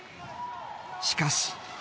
しかし。